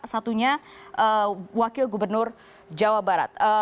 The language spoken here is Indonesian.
satunya wakil gubernur jawa barat